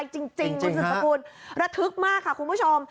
จริงคุณสุดสกุลระทึกมากค่ะคุณผู้ชม